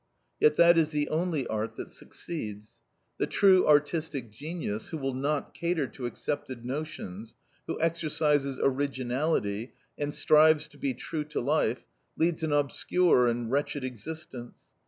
Yet that is the only art that succeeds. The true artistic genius, who will not cater to accepted notions, who exercises originality, and strives to be true to life, leads an obscure and wretched existence.